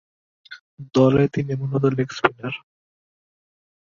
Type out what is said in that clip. দলে তিনি মূলতঃ লেগ-স্পিনার।